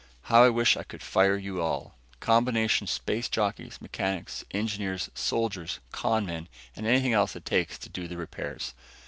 "How I wish I could fire you all! Combination space jockeys, mechanics, engineers, soldiers, con men and anything else it takes to do the repairs.